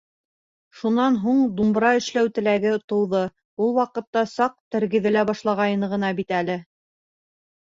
Шунан һуң думбыра эшләү теләге тыуҙы, ул ваҡытта саҡ тергеҙелә башлағайны ғына бит әле.